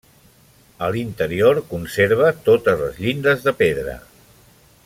A l'interior conserva totes les llindes de pedra.